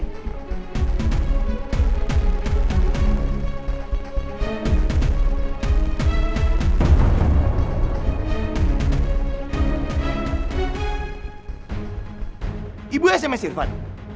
ibu sms irfan